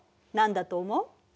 何だと思う？